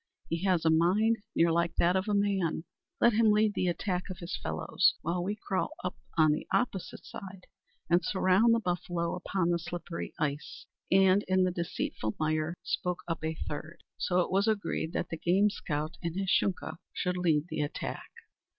He has a mind near like that of a man. Let him lead the attack of his fellows, while we crawl up on the opposite side and surround the buffalo upon the slippery ice and in the deceitful mire," spoke up a third. So it was agreed that the game scout and his Shunka should lead the attack.